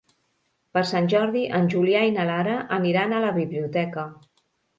Per Sant Jordi en Julià i na Lara aniran a la biblioteca.